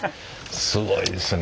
すごいですね。